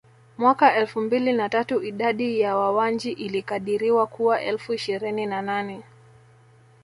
Mwaka elfu mbili na tatu idadi ya Wawanji ilikadiriwa kuwa elfu ishirini na nane